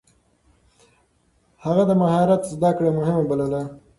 هغه د مهارت زده کړه مهمه بلله.